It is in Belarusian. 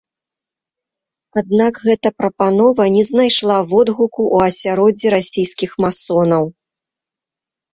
Аднак гэта прапанова не знайшла водгуку ў асяроддзі расійскіх масонаў.